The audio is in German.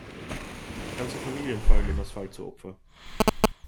Ganze Familien fallen dem Asphalt zum Opfer.